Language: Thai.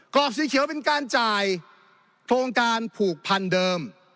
อกสีเขียวเป็นการจ่ายโครงการผูกพันเดิม